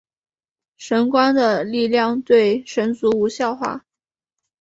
神官的力量对神族无效化。